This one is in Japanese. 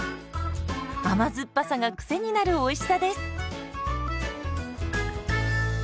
甘酸っぱさがクセになるおいしさです。